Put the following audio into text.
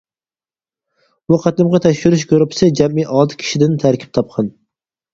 بۇ قېتىمقى تەكشۈرۈش گۇرۇپپىسى جەمئىي ئالتە كىشىدىن تەركىب تاپقان.